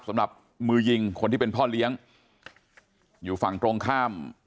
สำหรับมือยิงคนที่เป็นพ่อเลี้ยงอยู่ฝั่งตรงข้าม